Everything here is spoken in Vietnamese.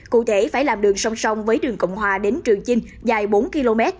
cụ thể phải làm đường song song với đường cộng hòa đến trường chinh dài bốn km